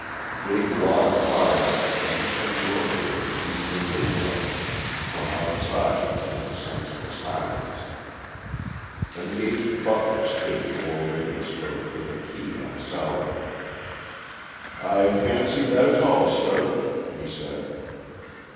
Big log fires danced and glowed from the deep ingle nooks; from outside came the sense of the silence. An aged butler stood before Ravenspur with a key on a salver. "I fancy that is all, sir," he said.